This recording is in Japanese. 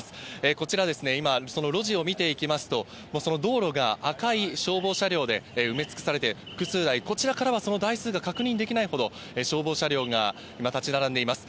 こちら今、その路地を見ていきますと、その道路が赤い消防車両で埋め尽くされて、複数台、こちらからはその台数が確認できないほど、消防車両が今、立ち並んでいます。